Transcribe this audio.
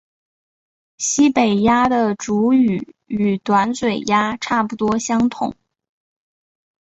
西北鸦的主羽与短嘴鸦差不多相同。